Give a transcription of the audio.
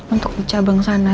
untuk di cabang sana